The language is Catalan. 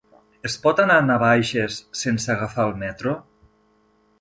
Es pot anar a Navaixes sense agafar el metro?